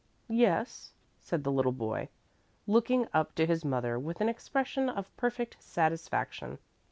"Yes," said the little boy, looking up to his mother with an expression of perfect satisfaction.